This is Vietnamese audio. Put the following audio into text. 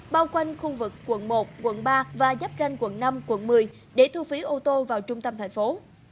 bao quanh khu vực quận một quận ba và giáp ranh quận năm quận một mươi để thu phí ô tô vào trung tâm thành phố